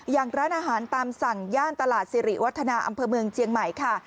อย่างร้านอาหารตามสั่งย่านตลาดสิริวัฒนาอำเภอเมืองเจียงใหม่ค่ะ